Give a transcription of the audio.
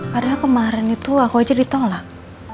padahal kemarin itu aku aja ditolak